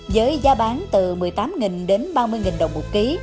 giới giá bán từ một mươi tám đến ba mươi đồng một cây